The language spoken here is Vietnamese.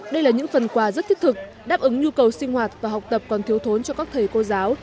đây là những phần quà rất thiết thực đáp ứng nhu cầu sinh hoạt và học tập còn thiếu thốn cho các thầy cô giáo